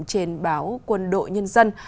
trên báo quân đội nhân dân